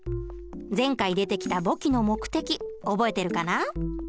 前回出てきた簿記の目的覚えてるかな？